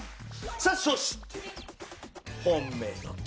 さあそして本命のＤ。